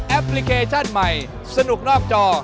พลิเคชันใหม่สนุกนอกจอ